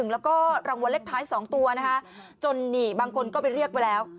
แล้วก็รางวัลเลขท้าย๒ตัวนะคะจนนี่บางคนก็ไปเรียกไปแล้ว